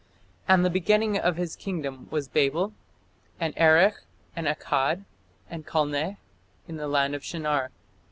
And the beginning of his kingdom was Babel, and Erech, and Accad, and Calneh, in the land of Shinar.